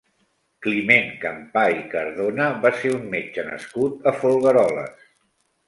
Climent Campà i Cardona va ser un metge nascut a Folgueroles.